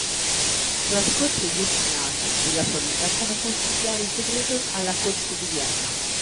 Trascorse gli ultimi anni della sua vita come consigliere segreto alla corte di Vienna.